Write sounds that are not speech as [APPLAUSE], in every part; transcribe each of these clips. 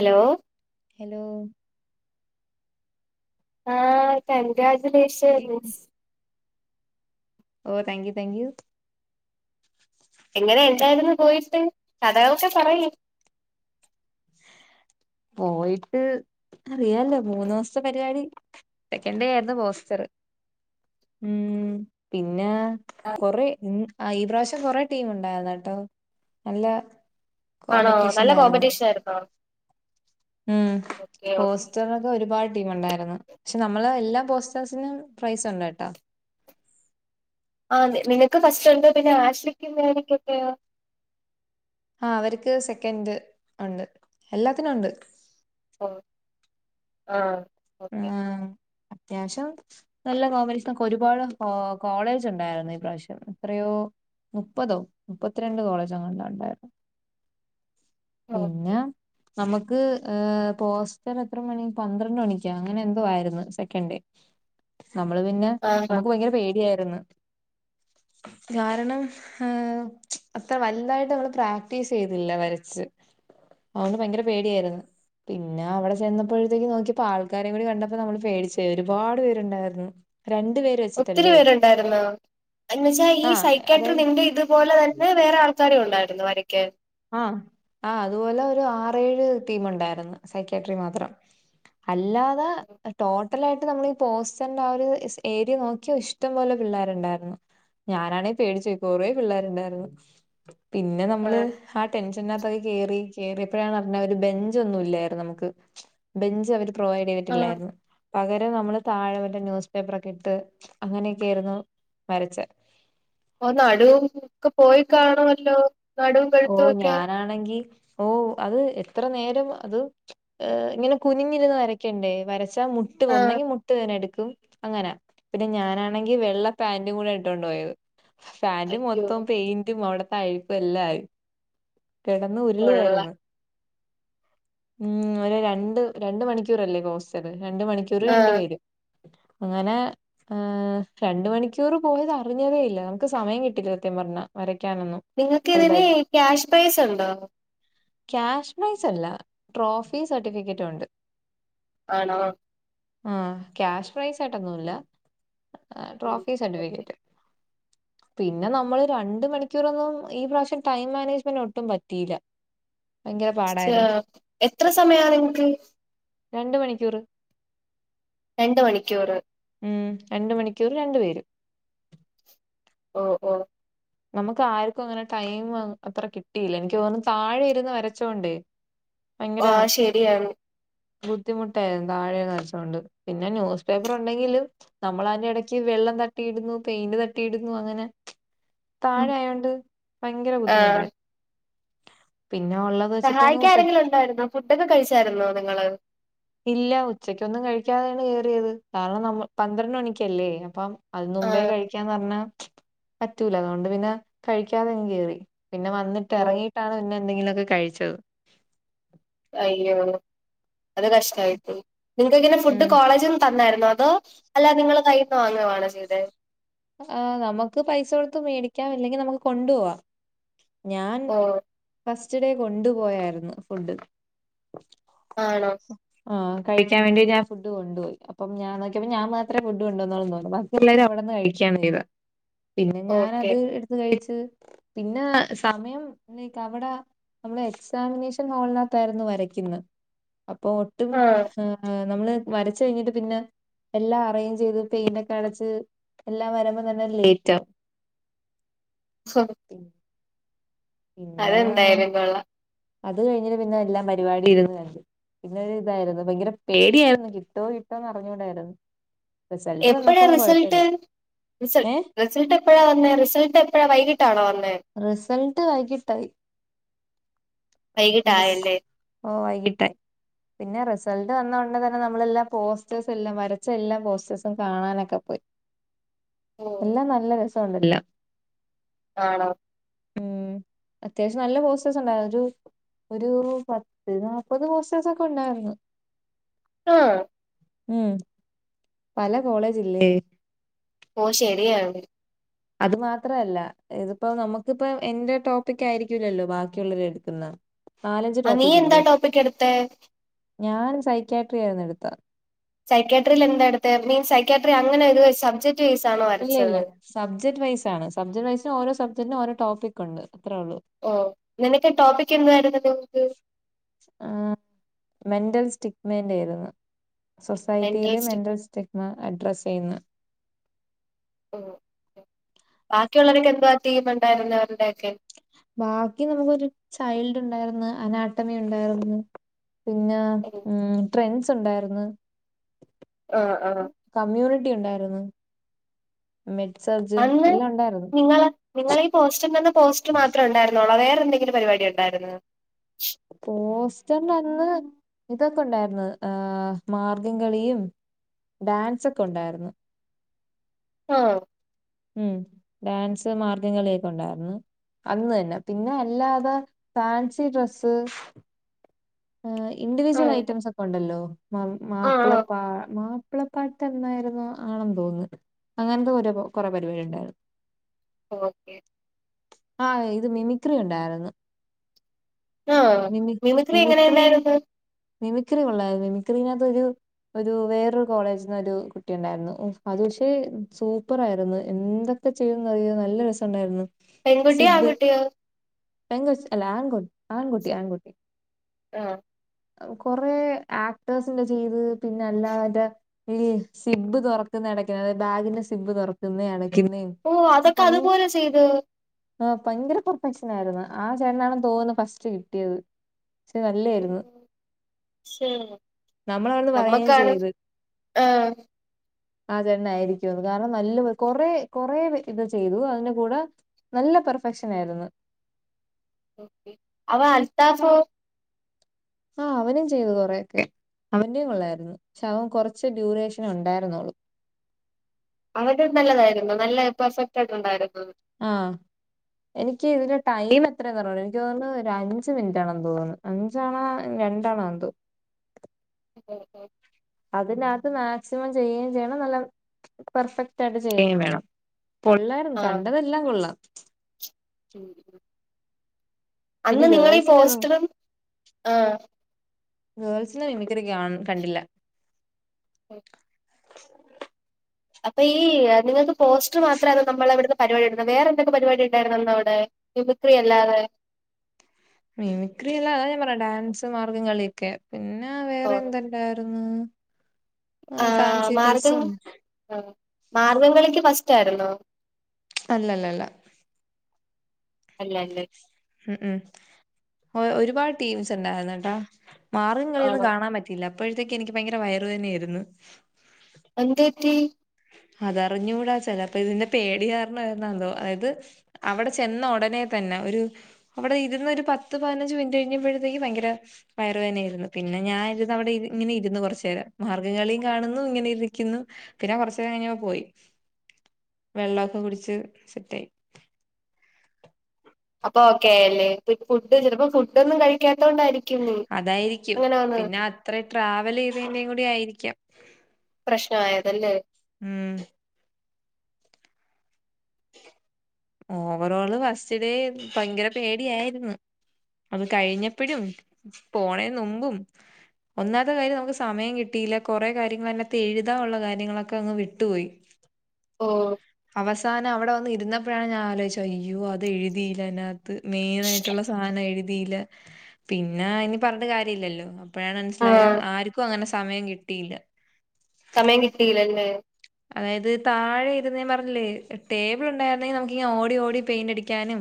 Hello hello ആഹ കേക്ക് congratulations. ഓ താങ്ക് യു താങ്ക് യു എങ്ങനെ ഉണ്ടായിരുന്നു പോയിട്ട് കഥകളെക്കെ പറയ് പോയിട്ട് അറിയാലോ മൂന്ന് ദിവസത്തെ പരിപാടി സെക്കൻഡ് ഡേ ആയിരുന് പോസ്റ്ററ് ഉം പിന്നെ കൊറ ഈ പ്രാവശ്യം കൊറെ ടീമ ഉണ്ടായന്ന കേട്ടോ നല്ല കോമ്പറ്റീഷൻ ആയിരുന്നു. ചർന്നോ? ഉം പോസ്റ്റ് ഓക്കെ സ്റ്ററിനൊക്കെ ഒരുപാട് ടീം ഉണ്ടായിരുന്നു പക്ഷെ നമ്മള് എല്ലാ പോസ്റ്റേഴ്സിനും പ്രൈസ് ഉണ്ട്ട്ടോ ആ നിനക്ക് ഫസ്റ്റ് ഉണ്ട് പിന്നെ ആഷക്കും മേരിക്കൊക്കെയോ ആഹ് അവർക്ക് സെക്കൻഡ് ഒണ്ട്, എല്ലാത്തിനും ഒണ്ട്. ഓ ആഹ് ആ അത്യാവശ്യം നല്ല കോമ്പറ്റീഷനൊക്കെ ഒര്പാട് ഓഹ് കോളേജുണ്ടായ്ര്ന്നു ഈ പ്രാവശ്യം എത്രയോ മുപ്പതോ മുപ്പത്തിരണ്ട് കോളേജ് എങ്ങേണ്ടോ ഉണ്ടായിരുന്നു. പിന്നെ ഓക്കെ നമ്മക്ക് ഏഹ് പോസ്റ്ററ് എത്ര മണി പന്ത്രണ്ട് മണിക്കോ അങ്ങെനെ എന്തോ ആയിര്ന്ന് സെക്കൻ ഡേ നമ്മള് പിന്നെ ആഹാ നമുക്ക് ഭയങ്കര പേടിയായിരുന്നു കാരണം ഹേ അത്ര വലുതായിട്ട് നമ്മള് പ്രാക്ടീസ് ചെയ്തില്ല വരച്ച് അവന് ഭയങ്കര പേടിയായിരുന്നു പിന്നെ അവടെ ചെന്നപ്പോഴത്തേക്ക് നോക്കിപ്പോ ആൾക്കാരെ കൂടി കണ്ടപ്പോ നമ്മള് പേടിച്ചേ ഒരുപാട് പേരുണ്ടായിരുന്നു രണ്ട് പേര് ഒത്തിരി വെച്ചിട്ടല്ലേ പേരുണ്ടായിരുന്നോ എന്നുവെച്ചാ ഈ ആഹ് സൈക്കാട്രി അതായത് നിന്റെ ഇതുപോലെ തന്നെ എ വേറെ ആൾക്കാരുണ്ടായിരുന്നൊ വരയ്ക്കാൻ ആഹ് ആഹ് അത്പോലെ ഒര് ആറേഴ് ടീം ഉണ്ടായിര്ന്നു സൈക്കട്രി മാത്രം അല്ലാതെ ടോട്ടലായിട്ട് നമ്മളീ പോസ്റ്റർന്റെ ആ ഒര് എസ് ഏരിയ നോക്കി പഷ് ടം പോലെ പിള്ളേര്ണ്ടായ്ര്ന്നു ഞാനാണേ പേടിച്ചോയ് കൊറേ പിള്ളേര്ണ്ടായ്ര്ന്നു പിന്നെ ആ നമ്മള് ആ ടെൻഷനകത്തൊക്കെ കേറി കേറേപ്പഴാണ് അറിഞ്ഞ ഒരു ബെഞ്ചൊന്നും ഒന്നും ഇല്ലായിരുന്നു നമുക്ക് ബെഞ്ച് അവര് പ്രൊവൈഡ് ആ ചെയ്തിട്ടില്ലായിരുന്നു പകരം നമ്മള് താഴെ മറ്റേ ന്യൂസ് പേപ്പറൊക്കെട്ട് അങ്ങനെയൊക്കയാരുന്നു വരച്ച ഓഹ് നടൂം ഒക്കെ പോയ് കാണുവല്ലോ ഓഹ് ഞാനാണെങ്കി ഓ അത് എത്ര നേരം അത് ഇങ്ങനെ കുനിഞ്ഞിരുന്ന് വരക്കണ്ടേ വരച്ചാ മു മുട്ട് ആ ഒന്നെങ്കി മുട്ട് വേദന എടുക്കും അങ്ങനാ പിന്നെ ഞാനാണെങ്കി വെള്ള പാന്റും കൂടെ ഇട്ടൊണ്ട് പോയത് പാന്റ് അയ്യോ മൊത്തം പെയിന്റും അവ്ട്ത്തെ അഴുക്കും എല്ലാ ആയി കെടന്ന് കൊള്ളാം ഉരുളുവായിരുന്നു ഉം ഒര് രണ്ട് രണ്ട് മണിക്കൂറല്ലേ പോസ്റ്ററ് രണ്ട് മണിക്കൂറ് ആ രണ്ട് പേര് ഇങ്ങനെ ആ രണ്ട് മണിക്കൂർ പോയത് അറിഞ്ഞതേ ഇല്ല നമുക്ക് സമയം കിട്ടില്ല സത്യം പറഞ്ഞ വരയ്ക്കാനൊന്നും നിങ്ങക്ക് ഇതിന് വലുതായിട്ട് ക്യാഷ് പ്രൈസ് ഉണ്ടോ ക്യാഷ് പ്രൈസല്ല ട്രോഫീ സർട്ടിഫിക്കെറ്റുണ്ട് ആണോ ആഹ് ക്യാഷ് പ്രൈസായിട്ടൊന്നുല്ല ഉം, ട്രോഫി സർട്ടിഫിക്കറ്റ് പിന്നെ നമ്മൾ രണ്ട മണിക്കൂറൊന്നും ഈ പ്രാവശ്യം ടൈം മാനേജ്മെന്റ് ഒട്ടും പറ്റീല്ല ച്ചാ എത്ര സമയാ നിങ്ങൾക്ക്. രണ്ട് മണിക്കൂറ് രണ്ട് മണിക്കൂറ് ഉം രണ്ട് മണിക്കൂറ് രണ്ടു പേര് ഓ ഓ നമ്ക്കാര്ക്കും അങ്ങെനെ ടൈമ് അത്ര കിട്ടിയില്ല എനിക്ക് തോന്നുന്നു താഴെ ഇര്ന്ന് വരച്ചോണ്ടേ ഭയങ്കര ആ ശരിയാണ് ബുദ്ധിമുട്ടായിരുന്നു താഴെ [UNINTELLIGIBLE] പിന്നെ ന്യൂസ് പേപ്പർ ഉണ്ടെങ്കിലും നമ്മളാന്റെടക്ക് വെള്ളം തട്ടിയിടുന്നു പെയിന്റ് തട്ടിയിടുന്നു അങ്ങനെ ഉം. താഴെ ആയൊണ്ട് ഭയങ്കര ആ ബുദ്ധിമുട്ടായി പിന്നെ ഉള്ളത് വെച്ചിട്ടങ്ങ് പെ സഹായിക്കാരെങ്കിലും ഉണ്ടായിരുന്നോ ഫുഡൊക്കെ കഴിച്ചായിരുന്നോ നിങ്ങള് ഇല്ലാ ഉച്ചക്കൊന്നും കഴിക്കാതേണ് കേറ്യേത് കാരണം നമ്മ പന്ത്രണ്ട് മണിക്കല്ലേ അപ്പം അതി ആ മുമ്പേ കഴിക്കാന്ന് പറഞ്ഞാ പറ്റൂല ഗവ ട്ട് പിന്നെ കഴിക്കാതെങ്ങ് കേറി പിന്നെ വന്ന്ട്ട് ഓ എറങ്ങിട്ടാണ് പിന്നെ എന്തെങ്കിലൊക്കെ കഴിച്ചത് അയ്യോ അത് കഷ്ടായിപോയി തെങ്ങെനെ ഫുഡ് ഉം കോളേജ്ന്ന് തന്നായ്ര്ന്നോ അതോ അല്ല നിങ്ങള് കയ്യിന്ന് വാങ്ങവാണോ ചെയ്തേ ആ നമുക്ക് പൈസ കൊടുത്ത് മേടിക്കാം ഇല്ലെങ്കിൽ നമുക്ക് കൊണ്ടോവാം ഞാൻ ഓ ഫസ്റ്റ് ഡേ കൊണ്ടുപോയാര്ന്നു ഫുഡ്ഡ് ആണോ ആ കഴിക്കാൻ വേണ്ടി ഞാൻ ഫുഡ് കൊണ്ടോയി അപ്പം ഞാൻ നോക്കേപ്പൊ ഞാൻ മാത്രേ ഫുഡ് കൊണ്ടന്നൊള്ളു തോന്നുന്നു ബാക്കി എല്ലാരും അവടന്ന് കഴി എനിക്ക് അങ്ങനെ ഇല്ല, പിന്നെ ഞാൻ ഓക്കെ അത് എടുത്ത് കഴിച്ച്. പിന്നെ സമയം വടെ നമ്മള് എക്സാമിനേഷൻ ഹാേൾനകത്തായ്ര്ന്നു വരക്ക്ന്നേ അപ്പോ ഒ ട്ടും ആ നമ്മള് വരച്ച കഴിഞ്ഞിട്ട് പിന്നെ എല്ലാം അറേഞ്ച് ചെയ്തു പെയിന്റൊക്കടച് എല്ലാം വര്മ്പ തന്നെ ലേയ്റ്റാവും സോറി പിന്നെ പിന്നെ അതെന്തായാലും കൊള്ളാം അത് കഴിഞ്ഞിട്ട് പിന്നെ എല്ലാം പരിപാടി ഇര്ന്ന് കണ്ട് പിന്നെ ഇതായിരുന്നു ഭയങ്കര പേടിയായിരുന്നു കിട്ടുവോ കിട്ടുവോ എന്ന് അറിഞ്ഞൂടായിരുന്നു. റിസൾട്ട് എപ്പഴാ വന്നപ്പോ റിസൾട്ട് കുഴപ്പമില്ല റിസ ഏ റിസൾട്ട് എപ്പഴാ വന്നേ റിസൾട്ടെപ്പഴാ വൈകിട്ടാണോ വന്നേ റിസൾട്ട് വൈകിട്ടായി റിസ് വൈകിട്ടായല്ലേ ഓഹ് വൈകിട്ട് പിന്നെ റിസൾട്ട് വന്നുട്നതന്നെ നമ്മളെല്ലാ പോസ്റ്റേഴ്സും എല്ലാം വരച്ച എല്ലാ പോസ്റ്റേഴ്സും കാണാനൊക്കെ പോയി ഓ എല്ലാം നല്ല രസണ്ട് എല്ലാം ആണോ ഉം അത്യാവശ്യം നല്ല പോസ്റ്റേഴ്സ് ഉണ്ടായിരുന്നു ഒരു ഒരു പത്ത് നാപ്പത് പോസ്റ്റേസൊക്കെ ഉണ്ടാര്ന്ന് ആഹ് ഉം പല കോളേജില്ലേ ഓ ശെരിയാണ് അത് മാത്രല്ല ഇതിപ്പോ നമുക്കിപ്പ എന്റെ ടോപ്പികായിരിക്കൂല്ലല്ലോ ബാക്കിയുള്ളവരെടുക്കുന്ന നാലഞ്ച് ആ നീ എന്താ ടോപ്പിക്കില്ലേ, ടോപ്പിക് എടുത്തേ ഞാൻ സൈക്യാട്രി ആയിരുന്നു എടുത്തേ. സൈക്യാട്രിയിൽ എന്താ എടുത്തേ, മീൻസ് സൈക്യാട്രി അങ്ങനെ ഒരു സബ്ജെക്ട്. ബേസിയാണോ? ഇല്ല ഇല്ല സബ്ജക്ട് വൈസ് ആണ് സബ്ജക്ട് വൈസിന് ഓരോ സബ്ജക്റ്റിനും ഓരോടോപ്പിക്കുണ്ട് അത്രേ ഒള്ളൂ ഓ നിനക്ക് ടോപ്പിക് എന്നതായിരുന്നു ടോപ്പിക്ക് ആഹ് മെന്റൽ സ്റ്റിക്മേന്റേയ്ര്ന്നു സൊസൈറ്റിയില് മെന്റൽ സ്റ്റിഗ്മ അഡ്രസെയ്യുന്ന [UNINTELLIGIBLE] ബാക്കിയുള്ളരൊക്കെ എന്തവാറ്റ്യ ഉണ്ടായിരുന്ന അവരുടെൊക്കെ ബാക്കി നമുക്കൊരു ചൈൽഡ് ഉണ്ടായിരുന്നു അനാട്ടമി ഉണ്ടായിരുന്നു പിന്നെ ഉം ട്രെൻസുണ്ടായിരുന്നു. ആഹ് ആഹ് കമ്മ്യൂണിറ്റി ഉണ്ടായിര്ന്നു മെറ്റ്സർജ് അന്ന് എല്ലാം ഉണ്ടായിരുന്നു നിങ്ങള് നിങ്ങളീ ഈ പോസ്റ്റർനിന്ന് പോസ്റ്റർ മാത്രേണ്ടായിരുന്നോള്ളോ വേറെന്തെങ്കിലും പരിപാടി ഒണ്ടായിരുന്നോ പോസ്റ്റർന്റന്ന് ഇതൊക്കെ ഉണ്ടായിരുന്നു ആ മാർഗംകളിയും ഡാൻസൊക്കെ ഉണ്ടായിരുന്നു ആഹ് ഉം ഡാൻസ് മാർഗകളിയൊക്കെ ഉണ്ടായിരുന്നു. അന്ന് തന്നെ പിന്നെ അല്ലാതെ ഫാൻസി ഡ്രസ്സ്. ആഹ് ഇൻഡിവിജ്വൽ ആഹ് ഐറ്റംസ് ഒക്കെ ഒണ്ടല്ലോ മാപ് ആഹ് മാപ്പിളപ്പാ മാ പിളപ്പാട്ടെന്നായിരുന്നു ആണെന്ന് തോന്നുന്ന് അങ്ങൻത്തെ ഓരോ പൊ കുറെ പരിവാടി ഇണ്ടായിരുന്നു. ഓക്കെ ആഹ് ഇത് മിമിക്രി ഉണ്ടാരുന്നു ആഹ് മിമിക്രി എങ്ങനെ മിമിക്രിയിൽ ഉണ്ടായിരുന്നു? മിമിക്രി കൊള്ളായിര്ന്നു മിമിക്രിനക്കത്തൊരു ഒരു വേറൊരു കോളേജ്ന്ന് ഒരു കുട്ടി ഉണ്ടായിരുന്നു അത് പക്ഷെ സൂപ്പറായിരുന്നു എൻന്തൊക് ക്കെ ചെയ്യാൻ കയ്യോ നല്ല രസണ്ടായിരുന്നു. പെൺകുട്ടിയോ ആൺകുട്ടിയോ? പെങ്കാെച്ച് അല്ല ആങ്കുട്ട് ആങ്കുട്ടി ആങ്കുട്ടി ആഹ് കൊറെ ആക്ടേഴ്സിന്റെ ചെയ്ത് പിന്നെ അല്ലാതെ ഈ സിബ്ബ് തുറക്കുന്നെ അടയ്ക്കുന്നെ അതായത് ബാഗിന്റെ സിബ് തുറക്കുന്നേ അടയ്ക്കുന്നേ ഓ അതൊക്കെ അതുപോലെ ചെയ്തു ആഹ് ഭയങ്കര പെർഫെക്ഷൻ ആയിരുന്ന് ആ ചേട്ടനാന്ന് തോന്നുന്ന് ഫസ്റ്റ് കിട്ടിയത് ഇത് നല്ലേര്ന്നു ശോ നമ്മളവിടുന്ന് പറയുകയും നമ്മക്കാണ് ചെയ്ത് ആഹ് അതെന്നെ ആയിരിക്കുംഅത് കാരണം നല്ല കൊറെ കൊറെ ഇത് ചെയ്തു അതിന്റെ കൂടെ നല്ല പെർഫെക്ഷൻ ആയിരുന്ന് അവ അൽത്താഫോ? ആഹ് അവനും ചെയ്തു കൊറേയൊക്കെ അവന്റെയും കൊള്ളായിരുന്നു പക്ഷെ അവൻ കുറച്ച് ഡ്യൂറേഷൻ ഉണ്ടായിരുന്നൊള്ളു അവര്ടെ നല്ലതായിരുന്നു നല്ല പെർഫെക്റ്റായിട്ടുണ്ടായിരുന്നു ആഹ് എനിക്ക് ഇതില് ടൈം എത്രേന്ന് അറിഞ്ഞൂടാ എനിക്ക് തോന്നുന്നു ഒരഞ്ച് മിനിറ്റാണെന്ന് തോന്നുന്ന് അഞ്ചാണോ എ രണ്ടാണോ എന്തോ ഓ ഓ അതിനകത്ത് മാക്സിമം ചെയ്യേം ചെയ്യണം നല്ല പെർഫെക്റ്റായിട്ട് ചെയ്യേം വേണം കൊള്ളായിരുന്നു ആഹ് കണ്ടതെല്ലാം കൊള്ളാം പിന്നെ അന്ന് നിങ്ങളീ ഗേൾസിന്റെ ഒന്നും പോസ്റ്ററും ആഹ് ഗേൾസിന്റെ മിമിക്രി കാൺ കണ്ടില്ല [UNINTELLIGIBLE] അപ്പൊ ഈ നിങ്ങൾക്ക് പോസ്റ്റ്റ് മാത്രാനോ നമ്മളെവിട്ന്ന് പരിവാടിടന്ന് വേറെന്തൊക്കെ പരിപാടി ഉണ്ടായിരുന്നു അന്നവിടെ മിമിക്രി അല്ലാതെ. മിമിക്രി അല്ല അതാ ഞാൻ പറഞ്ഞെ ഡാൻസ് മാർഗം കളിയൊക്കെ ഓ ആരുന്ന് ആഹ് ഫാൻസി മാർഗം ഡ്രസ്സും ആഹ് മാർഗംകളിക്ക് ഫസ്റ്റ് ആയിരുന്നോ തല്ലല്ലല്ല അല്ലാല്ലെ ഉം ഉം ഓ ഒരുപാട് ടീംസ് ഇണ്ടായിരുന്നുട്ടോ മാർഗംകളിയൊന്നും ആണോ കാണാൻ പ ഇല്ല അപ്പോഴത്തേക്ക് എനിക്ക് ഭയങ്കര വയറു വേദനായിരുന്ന്. എന്തോറ്റി അതറിഞ്ഞ് കൂടാ ചെലപ്പ ഇതിന്റെ പേടി കാരണം ആരുന്നോന്തോ ആയത് അവ്ട ചെന്ന ഒടനെ തന്നെ ഒരു അവിടെ ഇരുന്ന് ഒരു പത്ത് പതിനഞ്ച് മിനിറ്റ് കഴിഞ്ഞമ്പഴത്തേക്ക് ഭയങ്കര വയറുവേനേയിരുന്നു പിന്നെ ഞാന് ഇരുന്ന് അവിടെ ഇരു ഇങ്ങനെ ഇരുന്നു കുറച്ചേരം മാർഗം കളിയും കാണുന്നു ഇങ്ങനെ ഇരിക്കുന്നു പിന്നെ കൊറച്ചേരം കെയിഞ്ഞപ്പോ പോയി വെള്ളൊക്കെ കുടിച്ച് സെറ്റായി അപ്പൊ ഓക്കേയായല്ലേ [UNINTELLIGIBLE] ഫുഡ് ചിലപ്പോ ഫുഡൊന്നും കഴിക്കാത്തകൊണ്ടായിരി അതായിരിക്കും പിന്നെ അത്ര ട്രാവലെയ്തയ്ന്റെയും കൂടി ആയിരിക്കാം പ്രശ്നായതല്ലേ? ഉം ഓവറോള് ഫസ്റ്റിലേ ഭയങ്കര പേടിയായിരുന്നു അത് കഴിഞ്ഞപ്പഴും പോണേന് നുൻപും ഒന്നാത്തെ കാര്യം നമുക്ക് സമയം കിട്ടിയില്ല കൊറേ കാര്യങ്ങള് അതിനകത്ത് എഴുതാനുള്ള കാര്യങ്ങളൊക്കെ അങ്ങ് വിട്ടുപോയി. ഓ അവസ് ഞാനവടെ വന്ന് ഇര്ന്നപ്പഴാണ് ഞാആലോയ്ച്ചു അയ്യോ അത് എഴ്തിയില്ല ഐനകത്ത് മെയ്നാ ആയിട്ട്. മറ്റുള്ള സായനം എഴ്തിയില പിന്നെ ഇഞ്ഞ് പറ്ഞ്ഞ്ട്ട് കാര്യല്ലല്ലോ ഇപ്പഴാണ് ആ മൻസ്സിലായോ ആര്ക്കും അങ്ങനെ സമയം കിട്ടിയില്ല സമയം കിട്ടീല്ലല്ലേ അതായത് താഴെ ഇരുന്നേ ഞാൻ പറഞ്ഞില്ലേ ടേബിൾ ഉണ്ടായിരുന്നെങ്കിൽ നമുക്കിങ്ങനെ ഓടി ഓടി പെയിന്റ് അടിക്കാനും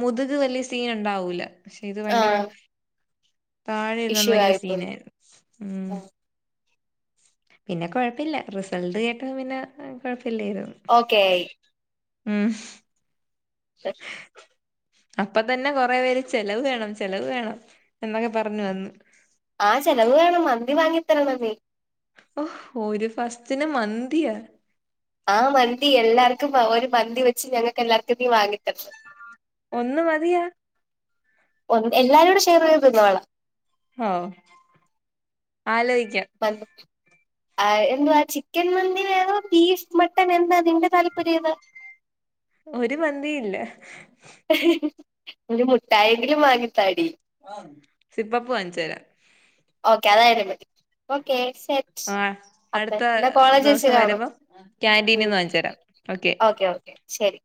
മുതുക് വെല്യ സീന് ഇണ്ടാവൂല പക്ഷെ ഇത് ആ ഭയങ്കര താഴെ ഇരുന്നൊണ്ട് ഇഷ്യൂ ഭയങ്കര ആയിപ്പോയി സീനായിരുന്നു ഉം. പിന്നെ കാെഴപ്പില്ല റിസൾട് കേട്ടപ്പോ പിന്നെ ഏഹ് കാെഴപ്പില്ലേര്ന്നു ഓക്കെ ആയി ഉം [UNINTELLIGIBLE] അപ്പത്തന്നെ കൊറെ പേര് ചെലവ് വേണം ചെലവ് വേണം എന്നൊക്കെ പറഞ്ഞു വന്ന് ആഹ് ചെലവ് വേണം മന്തി വാങ്ങിത്തരണം നീ ഓ ഒരു ഫസ്റ്റന് മന്തിയാേ ആഹ് മന്തി എല്ലാർക്കും വൊ ഒരു മന്തി വെച്ച് ഞങ്ങക്കെല്ലാർക്കും നീ വാങ്ങിതെര്ണം ഒന്നുമതിയാ ഒ അങ്ങൻ എല്ലാരുംകൂടെ ഷെയർ ചെയ്ത് തിന്നോള്ളാ ഹോ ആലോയിക്കാം [UNINTELLIGIBLE] ആഹ് എന്തുവാ ചിക്കൻ മന്തി വേണോ ബീഫ് മട്ടൻ എന്താ നിന്റെ താല്പര്യം ഏതാ ഒരു മന്തിയില്ല [UNINTELLIGIBLE] ഒരു മുട്ടായെങ്കിലും വാങ്ങിത്താടി [UNINTELLIGIBLE] സിപ് അപ്പ്‌ വാങ്ങിച്ച് തരാം ഓക്കെ അതായാലും മതി ഓക്കെ സെറ്റ്. ആഹ് അപ്പ അടുത്ത [UNINTELLIGIBLE] കോളേജിൽ വെച്ച് ദിവസം കാണും വരുമ്പം ഉം ക്യാന്റീനിന്ന് വാങ്ങിച്ചു തരാം [UNINTELLIGIBLE] ഓക്കെ ഓക്കെ ശരി